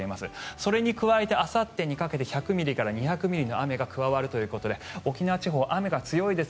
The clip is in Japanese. それに加えて、あさってにかけて１００ミリから２００ミリの雨が加わるということで沖縄地方、雨が強いです。